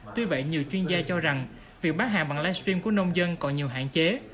tuy vậy nhiều chuyên gia cho rằng việc bán hàng bằng livestream của nông dân còn nhiều hạn chế